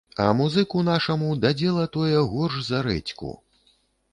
А музыку нашаму дадзела тое горш за рэдзьку.